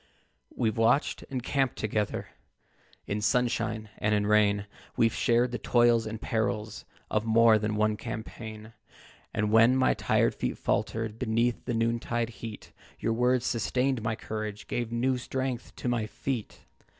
"We've watched and camped together In sunshine and in rain; We've shared the toils and perils Of more than one campaign; And when my tired feet faltered, Beneath the noontide heat, Your words sustained my courage, Gave new strength to my feet.